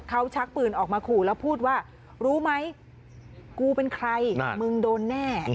เขาชักปืนออกมาขู่แล้วพูดว่ารู้ไหมกูเป็นใครมึงโดนแน่